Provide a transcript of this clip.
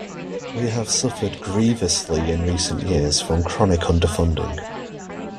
We have suffered grievously in recent years from chronic underfunding.